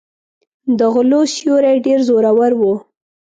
د غلو سیوری ډېر زورور و.